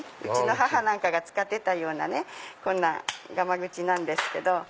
うちの母なんかが使ってたようなこんながまぐちなんですけど。